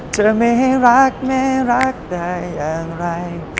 จะไม่ให้รักแม่รักได้อย่างไร